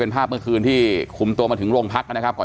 ภาพเมื่อคืนที่คุมตัวมาถึงโรงพักนะครับก่อน